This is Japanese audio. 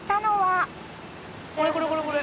これこれこれこれ。